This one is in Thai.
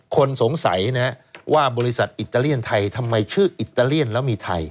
คนสงสัยนะว่าบริษัทอิตาเลียนไทยทำไมชื่ออิตาเลียนแล้วมีไทย